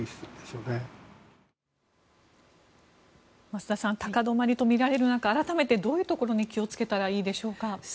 増田さん高止まりとみられる中改めてどういうところに気をつけたらいいでしょうか。